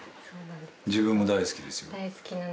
「自分も大好きですよ」